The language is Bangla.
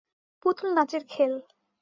পুতুল নাচের খেল।